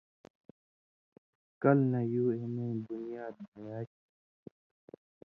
کلہۡ نہ یُو اېنَیں بنیاد بھیا چھی۔